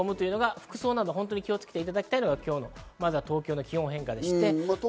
服装など気をつけていただきたいのが今日の東京の気温変化です。